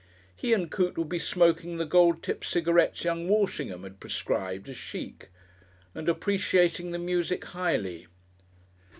He and Coote would be smoking the gold tipped cigarettes young Walshingham had prescribed as chic, and appreciating the music highly.